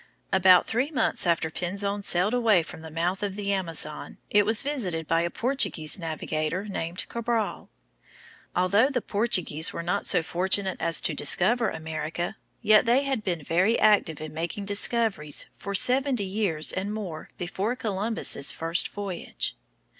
About three months after Pinzon sailed away from the mouth of the Amazon it was visited by a Portuguese navigator named Cabral. Although the Portuguese were not so fortunate as to discover America, yet they had been very active in making discoveries for seventy years and more before Columbus's first voyage.